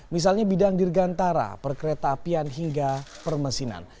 misalnya bidang dirgantara perkereta apian hingga permesinan